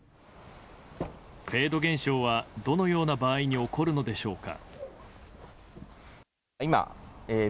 フェード現象はどのような場合に起こるのでしょうか。